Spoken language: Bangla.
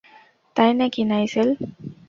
তাই নাকি, নাইজেল?